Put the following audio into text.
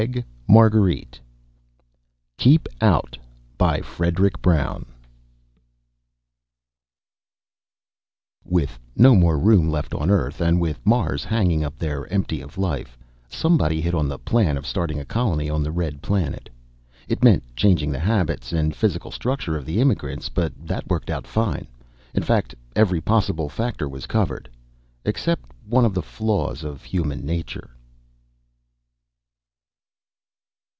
pgdp.net KEEP OUT BY FREDERIC BROWN _With no more room left on Earth, and with Mars hanging up there empty of life, somebody hit on the plan of starting a colony on the Red Planet. It meant changing the habits and physical structure of the immigrants, but that worked out fine. In fact, every possible factor was covered except one of the flaws of human nature....